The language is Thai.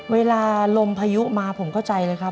เวลาลมพายุมาผมเข้าใจเลยครับ